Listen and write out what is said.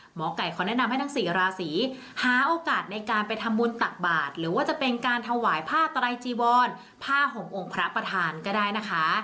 หมอไก่ขอแนะนำให้ทั้งสี่ราศีหาโอกาสในการไปทำบุญตักบาทหรือว่าจะเป็นการถวายผ้าไตรจีวรผ้าห่มองค์พระประธานก็ได้นะคะ